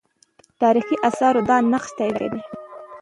تاریخي آثار دا نقش تایید کړی دی.